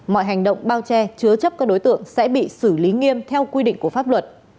mọi hành động bao che chứa chấp các đối tượng sẽ bị xử lý nghiêm theo quy định của pháp luật